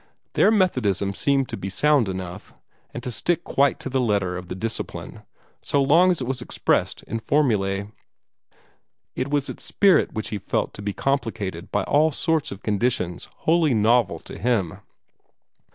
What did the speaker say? Their Methodism seemed to be sound enough, and to stick quite to the letter of the Discipline, so long as it was expressed in formulae. It was its spirit which he felt to be complicated by all sorts of conditions wholly novel to him.